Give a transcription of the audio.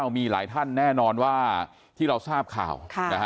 มีหลายท่านแน่นอนว่าที่เราทราบข่าว